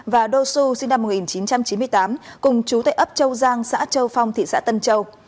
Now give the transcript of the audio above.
và dosu sinh năm một nghìn chín trăm chín mươi tám cùng chú tây ấp châu giang xã châu phong thị xã tân châu